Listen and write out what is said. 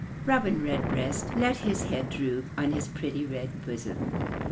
Robin Redbreast let his head droop on his pretty red bosom.